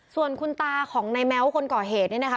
ส่วนคุณตาของในแม้วคนก่อเหตุเนี่ยนะคะ